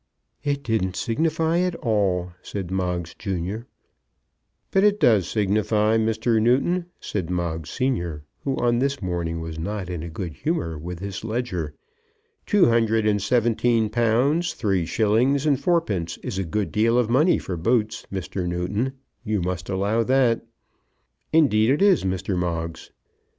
"It didn't signify at all," said Moggs junior. "But it does signify, Mr. Newton," said Moggs senior, who on this morning was not in a good humour with his ledger. "Two hundred and seventeen pounds, three shillings and four pence is a good deal of money for boots, Mr. Newton, You must allow that." "Indeed it is, Mr. Moggs."